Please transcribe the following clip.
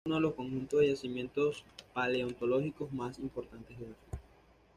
Se trata de uno de los conjuntos de yacimientos paleontológicos más importantes de África.